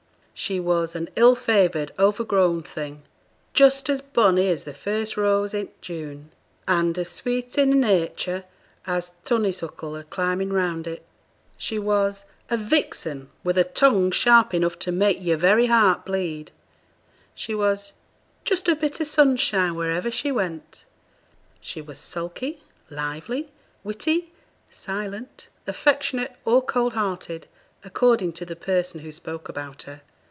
She was 'an ill favoured, overgrown thing'; 'just as bonny as the first rose i' June, and as sweet i' her nature as t' honeysuckle a climbing round it;' she was 'a vixen, with a tongue sharp enough to make yer very heart bleed;' she was 'just a bit o' sunshine wheriver she went;' she was sulky, lively, witty, silent, affectionate, or cold hearted, according to the person who spoke about her.